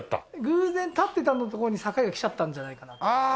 偶然立ってた所に境が来ちゃったんじゃないかなと思いますけど。